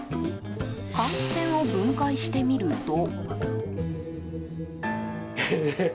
換気扇を分解してみると。